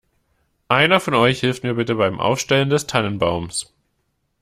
Einer von euch hilft mir bitte beim Aufstellen des Tannenbaums.